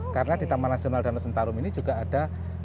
karena di taman nasional danau sentarum ini juga ada